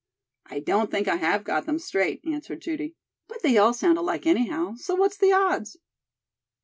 "I don't think I have got them straight," answered Judy, "but they all sound alike, anyhow, so what's the odds?"